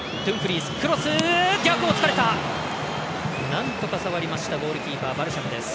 なんとか触りましたゴールキーパーのバルシャムです。